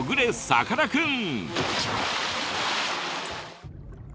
さかなクン！